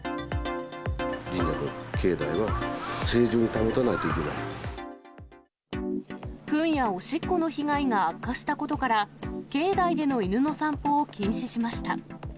神社の境内は清浄に保たないふんやおしっこの被害が悪化したことから、境内での犬の散歩を禁止しました。